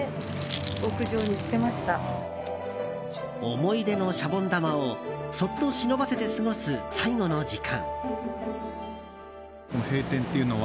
思い出のシャボン玉をそっと忍ばせて過ごす最後の時間。